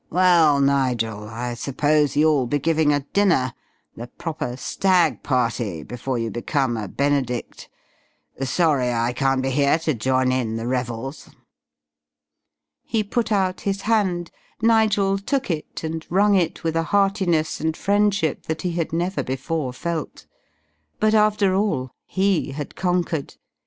Well, Nigel, I suppose you'll be giving a dinner, the proper 'stag' party, before you become a Benedict. Sorry I can't be here to join in the revels." He put out his hand, Nigel took it, and wrung it with a heartiness and friendship that he had never before felt; but after all he had conquered!